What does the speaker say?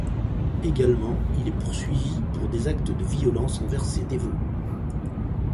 Également, il est poursuivi pour des actes de violence envers ses dévots.